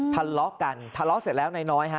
ทะเลาะกันทะเลาะเสร็จแล้วนายน้อยฮะ